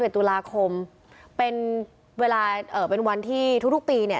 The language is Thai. ๓๑ตุลาคมเป็นเวลาเป็นวันที่ทุกปีเนี่ย